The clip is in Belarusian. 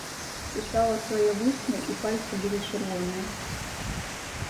Кусала свае вусны, і пальцы былі чырвоныя.